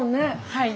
はい。